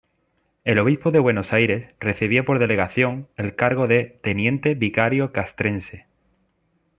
El obispo de Buenos Aires recibía por delegación el cargo de "teniente vicario castrense".